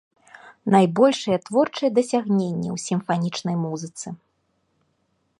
Найбольшыя творчыя дасягненні ў сімфанічнай музыцы.